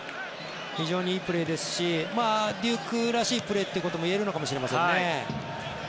非常にいいプレーですしデュークらしいプレーということもいえるのかもしれませんね。